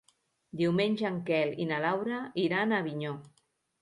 Diumenge en Quel i na Laura iran a Avinyó.